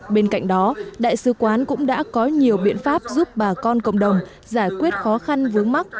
bên cạnh đó đại sứ quán cũng đã có nhiều biện pháp giúp bà con cộng đồng giải quyết khó khăn vướng mắt